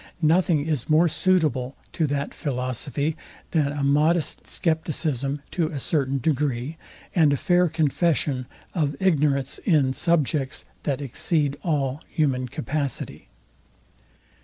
Nothing is more suitable to that philosophy, than a modest scepticism to a certain degree, and a fair confession of ignorance in subjects, that exceed all human capacity.